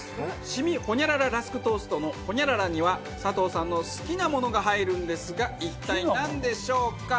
しみホニャラララスクトーストのホニャララには佐藤さんの好きなものが入るんですが一体なんでしょうか？